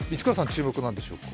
注目なんでしょうか？